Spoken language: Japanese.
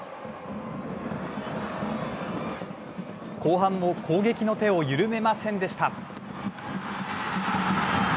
後半も攻撃の手を緩めませんでした。